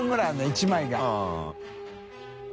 １枚が。